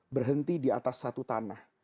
berhenti di atas satu tanah